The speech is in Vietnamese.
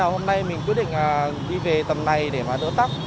hôm nay mình quyết định đi về tầm này để mà đỡ tắt